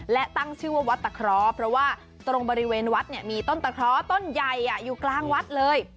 และตั้งชื่อว่าวัดตะเคราะห์เพราะว่าตรงบริเวณวัดเนี่ยมีต้นตะเคราะห์ต้นใหญ่อยู่กลางวัดเลย